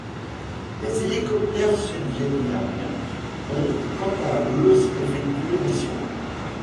Les hélicoptères sud-vietnamiens ont quant à eux effectué missions.